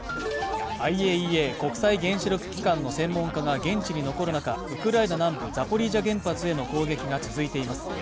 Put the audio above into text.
ＩＡＥＡ＝国際原子力機関の専門家が現地に残る中、ウクライナ南部ザポリージャ原発への攻撃が続いています。